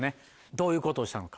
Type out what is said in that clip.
どういうことをしたのか。